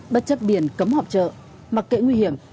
bất chấp biển cấm họp chợ mặc kệ nguy hiểm